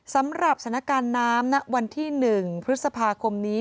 สำหรับสถานการณ์น้ำณวันที่๑พฤษภาคมนี้